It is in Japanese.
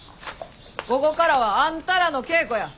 午後からはあんたらの稽古や。